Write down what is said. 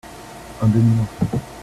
un demi morceau.